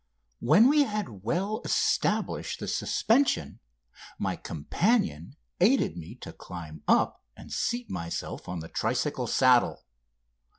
When we had well established the suspension my companion aided me to climb up and seat myself on the tricycle saddle.